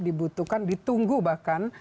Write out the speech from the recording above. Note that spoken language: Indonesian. dibutuhkan ditunggu bahkan